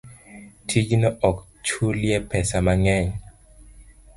tijno ok chulye pesa mang'eny.